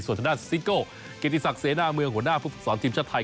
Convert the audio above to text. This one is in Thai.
ส่วนทางด้านซิโก้เกียรติศักดิเสนาเมืองหัวหน้าผู้ฝึกศรทีมชาติไทย